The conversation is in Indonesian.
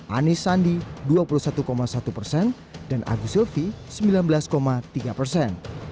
anies sandi dua puluh satu satu persen dan agus silvi sembilan belas tiga persen